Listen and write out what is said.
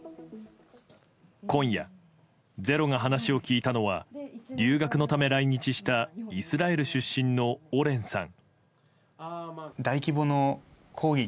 今夜「ｚｅｒｏ」が話を聞いたのは留学のため来日したイスラエル出身のオレンさん。